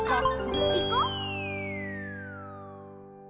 ピコ。